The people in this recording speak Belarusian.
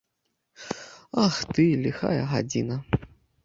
Ах ты, ліхая гадзіна!